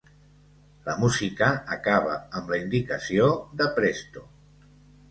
La música acaba amb la indicació de Presto.